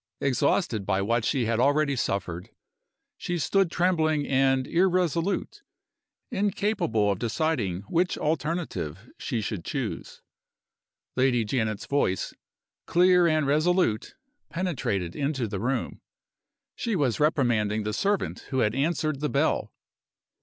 Exhausted by what she had already suffered, she stood trembling and irresolute, incapable of deciding which alternative she should choose. Lady Janet's voice, clear and resolute, penetrated into the room. She was reprimanding the servant who had answered the bell.